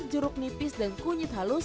jeruk nipis dan kunyit halus